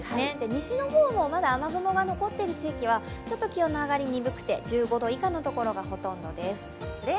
西の方もまだ雨雲が残っている地域はちょっと気温の上がりが鈍くて１５度以下の所がほとんどです。